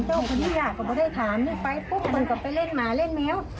ไปเล่นหมาเล่นแมว